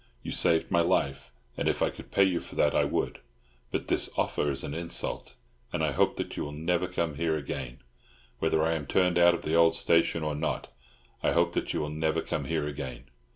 You saved my life, and if I could pay you for that I would; but this offer is an insult, and I hope that you will never come here again. Whether I am turned out of the old station or not, I hope that you will never come here again."